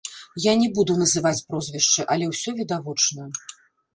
Я не буду называць прозвішчы, але ўсё відавочна.